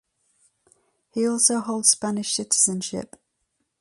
He also holds Spanish citizenship.